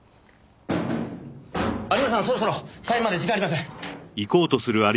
有村さんそろそろ開演まで時間がありません。